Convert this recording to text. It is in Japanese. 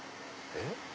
えっ！